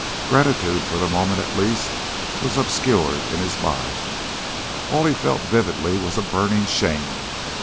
Gratitude, for the moment at least, was obscured in his mind. All he felt vividly was a burning shame.